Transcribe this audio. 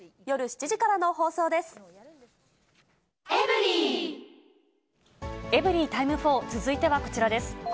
夜７時からの放送です。